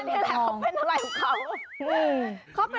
เป็นอะไรของเขา